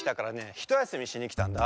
ひとやすみしにきたんだ。